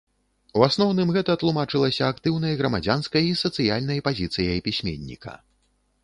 У асноўным гэта тлумачылася актыўнай грамадзянскай і сацыяльнай пазіцыяй пісьменніка.